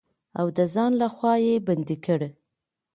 او د ځان لخوا يې بندې کړي.